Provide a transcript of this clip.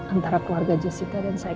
antara keluarga jessica dan saya